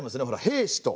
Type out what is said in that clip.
「兵士」と。